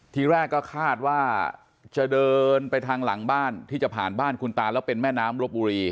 ทีแรกก็คาดว่าจะเดินไปทางหลังบ้านที่จะผ่านบ้านคุณตาแล้วเป็นแม่น้ำลบบุรี